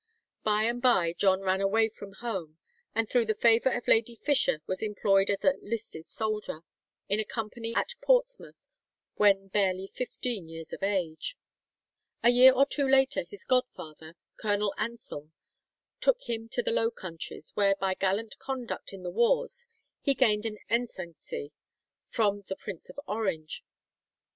By and by John ran away from home, and through the favour of Lady Fisher was employed as a "listed soldier" in a company at Portsmouth when barely fifteen years of age. A year or two later his godfather, Colonel Anselme, took him to the Low Countries, where by gallant conduct in the wars he gained an ensigncy from the Prince of Orange.